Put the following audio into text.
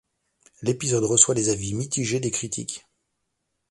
L'épisode reçoit des avis mitigés des critiques.